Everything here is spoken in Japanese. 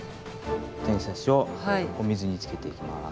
転写紙をお水につけていきます。